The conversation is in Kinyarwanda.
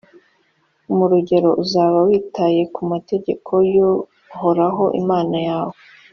mu rugero uzaba witaye ku mategeko y’uhoraho imana yawe,